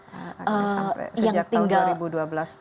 sejak tahun dua ribu dua belas